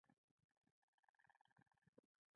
د کیمیاوي معادلو برابرول لازم دي.